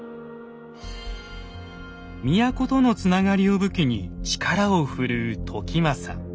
都とのつながりを武器に力を振るう時政。